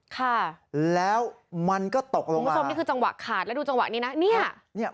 ค่ะมันก็ตกลงมาคุณผู้ชมนี่คือจังหวะขาดแล้วดูจังหวะนี้นะ